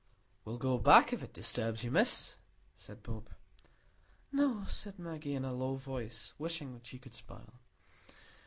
"We'll go back, if it disturbs you, Miss," said Bob. "No," said Maggie, in a low voice, wishing she could smile.